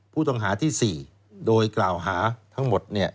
ผู้ต้องหาที่๔โดยกล่าวหาทั้งหมด